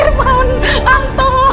dia mau menolong kamu